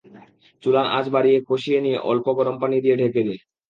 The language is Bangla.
চুলার আঁচ বাড়িয়ে কষিয়ে নিয়ে অল্প গরম পানি দিয়ে ঢেকে দিন।